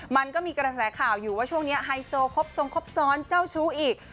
มันก็มีกระแสข่าวอยู่ว่าช่วงนี้ไฮโซครบทรงครบซ้อนเจ้าชู้อีก